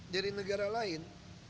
dari negara lain